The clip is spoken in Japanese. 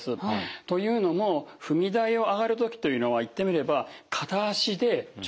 というのも踏み台を上がる時というのは言ってみれば片足で上体を引き上げる。